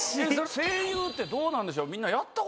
声優ってどうなんでしょう。